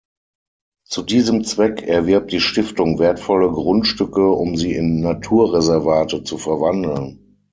Zu diesem Zweck erwirbt die Stiftung wertvolle Grundstücke, um sie in Naturreservate zu verwandeln.